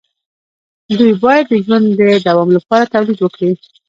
دوی باید د ژوند د دوام لپاره تولید وکړي.